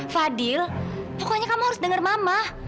fadil pokoknya kamu harus dengar mama